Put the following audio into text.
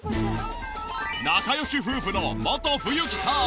仲良し夫婦のモト冬樹さん。